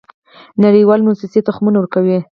نړیوالې موسسې تخمونه ورکوي.